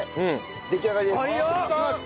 出来上がりです。